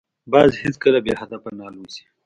باز هیڅکله بې هدفه نه الوزي